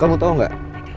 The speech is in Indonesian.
kamu tau gak